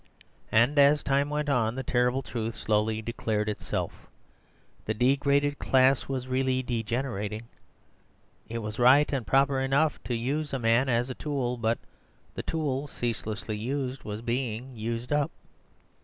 And as time went on the terrible truth slowly declared itself; the degraded class was really degenerating. It was right and proper enough to use a man as a tool; but the tool, ceaselessly used, was being used up.